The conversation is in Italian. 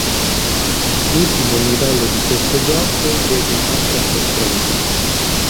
L'ultimo livello di questo gioco vede un'altra sorpresa.